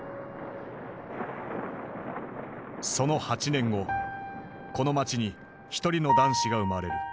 その８年後この街に一人の男子が生まれる。